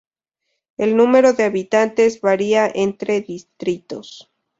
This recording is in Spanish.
El número de habitantes varía entre distritos.